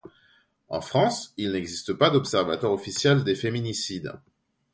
En France, il n'existe pas d'observatoire officiel des féminicides.